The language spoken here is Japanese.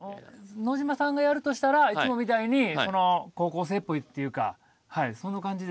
野島さんがやるとしたらいつもみたいに高校生っぽいというかはいその感じで。